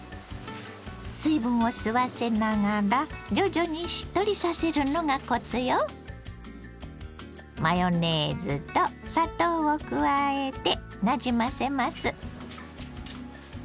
水分を吸わせながら徐々にしっとりさせるのがコツよ。を加えてなじませます。